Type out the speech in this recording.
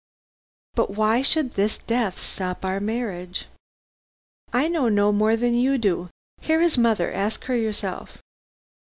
But why should this death stop our marriage?" "I know no more than you do. Here is mother. Ask her yourself."